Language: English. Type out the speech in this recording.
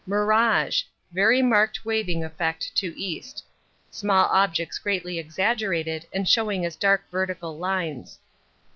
Mirage. Very marked waving effect to east. Small objects greatly exaggerated and showing as dark vertical lines.